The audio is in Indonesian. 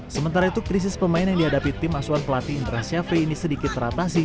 sementara itu krisis pemain yang dihadapi tim asuhan pelatih indra syafri ini sedikit teratasi